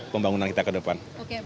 pembangunan kita ke depan